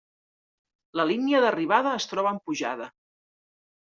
La línia d'arribada es troba en pujada.